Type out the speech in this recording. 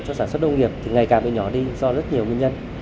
cho sản xuất nông nghiệp thì ngày càng bị nhỏ đi do rất nhiều nguyên nhân